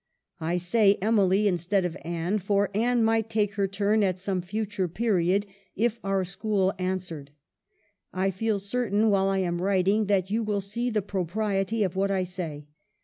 I say Emily instead of Anne ; for Anne might take her turn at some future period, if our school answered. I feel certain, while I am writing, that you will see the propriety of what I say.